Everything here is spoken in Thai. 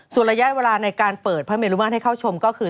ส่วนระยะเวลาในการเปิดพระเมรุมาตรให้เข้าชมก็คือ